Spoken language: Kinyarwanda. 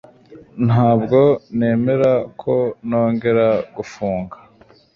Ntabwo nemera ko nongeye gufunga